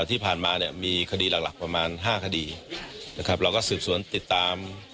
ที่ผ่านมาเนี่ยมีคดีหลักหลักประมาณห้าคดีนะครับเราก็สืบสวนติดตาม